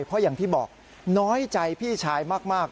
เพราะอย่างที่บอกน้อยใจพี่ชายมาก